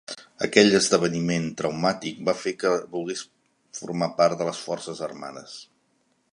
Aquell esdeveniment traumàtic va fer que volgués formar part de les forces armades.